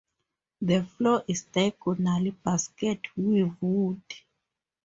The floor is diagonal basket weave wood.